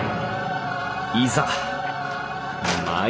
いざ参る。